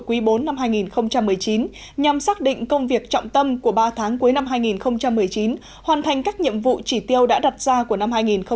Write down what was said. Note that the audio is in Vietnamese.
quý bốn năm hai nghìn một mươi chín nhằm xác định công việc trọng tâm của ba tháng cuối năm hai nghìn một mươi chín hoàn thành các nhiệm vụ chỉ tiêu đã đặt ra của năm hai nghìn một mươi chín